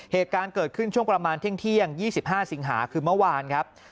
เหตุการณ์เกิดขึ้นช่วงประมาณเที่ยง๒๕สิงหาคือเมื่อวานครับ